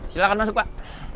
silahkan masuk pak